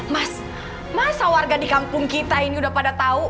mas masa warga di kampung kita ini udah pada tahu